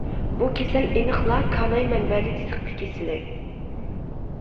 بۇ كېسەل ئېنىقلا كاناي مەنبەلىك زىققا كېسىلى.